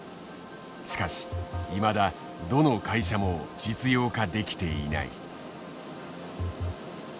しかしいまだどの会社も実用化できていない。